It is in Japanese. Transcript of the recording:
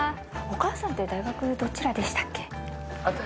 お母さんって大学どちらでしたっけ？